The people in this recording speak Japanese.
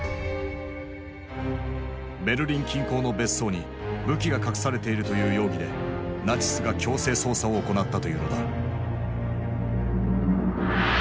ベルリン近郊の別荘に武器が隠されているという容疑でナチスが強制捜査を行ったというのだ。